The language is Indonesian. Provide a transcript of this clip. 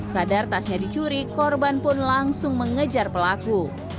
sadar tasnya dicuri korban pun langsung mengejar pelaku